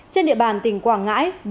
trên địa bàn tỉnh quảng ngãi